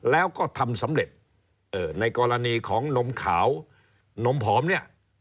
แล้วก็ทำสำเร็จในกรณีของนมขาวนมผอมเนี่ย